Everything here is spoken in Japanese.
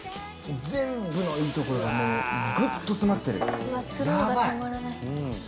全部のいいところがもうグッと詰まってるヤバい。